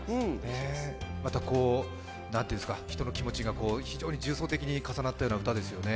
また、人の気持ちが非常に重層的に重なったような歌ですよね。